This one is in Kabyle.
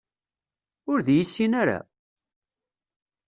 Ur d-iyi-yessin ara?